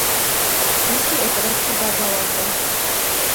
ბურთი ეკლებში გადავარდა.